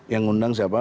yang undang siapa